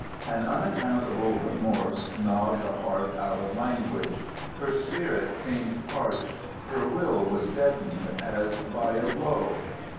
An unaccountable remorse gnawed the heart out of language. Her spirit seemed parched, her will was deadened as by a blow.